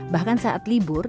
bahkan saat libur